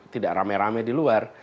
tidak rame rame di luar